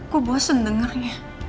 gue bosen dengarnya